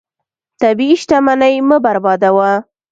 طبیعي شتمنۍ مه بربادوه.